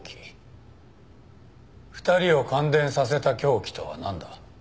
２人を感電させた凶器とはなんだ？